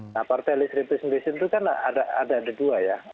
nah partai list representation itu kan ada dua ya